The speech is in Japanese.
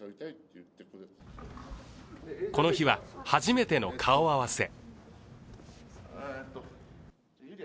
この日は初めての顔合わせ。